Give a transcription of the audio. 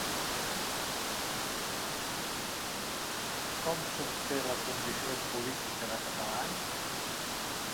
Com s'obté la condició política de catalans?